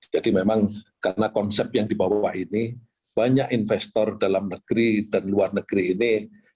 jadi memang karena konsep yang dibawa ini banyak investor dalam negeri dan luar negeri ini